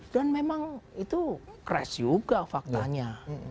dan memang itu crash juga faktanya